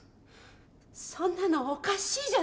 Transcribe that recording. そんなのおかしいじゃないですか！